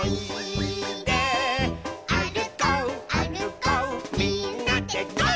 「あるこうあるこうみんなでゴー！」